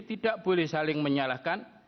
tidak boleh saling menyalahkan